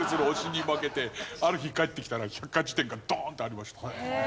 ある日帰ってきたら百科事典がドーンってありました。